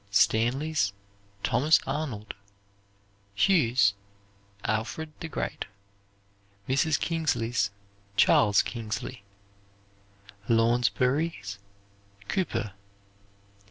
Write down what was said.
Stanley's, "Thomas Arnold." Hughes', "Alfred the Great." Mrs. Kingsley's, "Charles Kingsley." Lounsbury's, "Cooper."